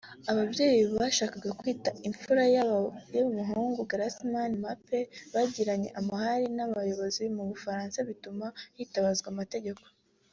Ababyeyi bashaka kwita imfura yabo y’umuhungu ’Griezmann Mbappé’ bagiranye amahari n’abayobozi mu Bufaransa bituma hitabazwa amategeko